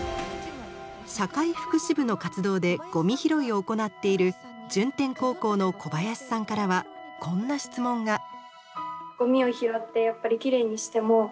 社会福祉部の活動でゴミ拾いを行っている順天高校の小林さんからはこんな質問が。